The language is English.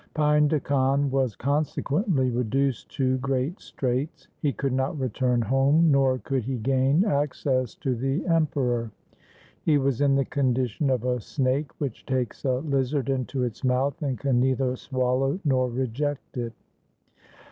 Painda Khan was consequently reduced to great straits. He could not return home, nor could he gain access to the Emperor. He was in the condition of a snake which takes a lizard into its mouth, and can neither swallow nor reject it.